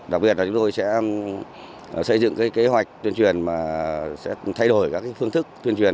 đặc biệt là chúng tôi sẽ xây dựng kế hoạch tuyên truyền mà sẽ thay đổi các phương thức tuyên truyền